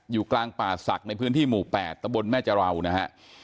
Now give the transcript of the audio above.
อยู่กลางป่าศักดิ์ในพื้นที่หมู่๘ตะบนแม่จะราวนะฮะ